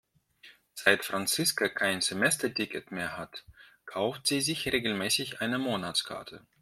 Seit Franziska kein Semesterticket mehr hat, kauft sie sich regelmäßig eine Monatskarte.